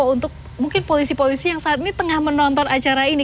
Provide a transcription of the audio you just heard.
untuk mungkin polisi polisi yang saat ini tengah menonton acara ini